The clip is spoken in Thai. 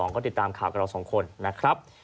ก็ติดตามข่าวกับเราสองคนนะครับ